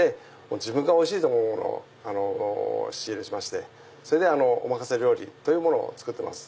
自分がおいしいと思うものを仕入れしましてそれでお任せ料理というものを作ってます。